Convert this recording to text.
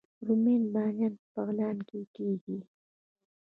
رومي بانجان په بغلان کې کیږي